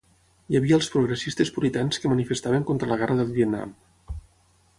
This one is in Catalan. Hi havia els progressistes puritans que manifestaven contra la guerra del Vietnam.